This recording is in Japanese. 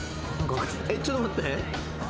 ちょっと待って。